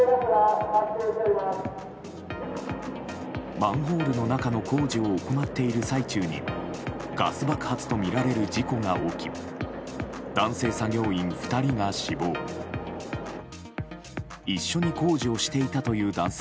マンホールの中の工事を行っている最中にガス爆発とみられる事故が起き男性